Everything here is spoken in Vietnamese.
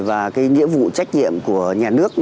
và nghĩa vụ trách nhiệm của nhà nước